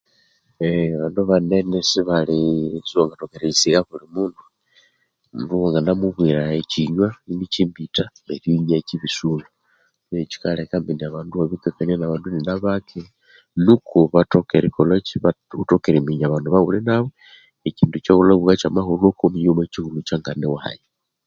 Eeh abandu banene sibali siwangathoka eriyisagha obuli mundu , omundu wanginamubwira ekyinwaa inikyembitha neryo inakyibisulha. Neryo kyikaleka iwabya iwanginakania nabandu ininabake Niko iwathoka eriminya abandu abaghulinanbo ekyindu ekyaghulyabugha kyamahulhuka, iwathoka eriminya oyulyakyihulhukaya nganiwahayi.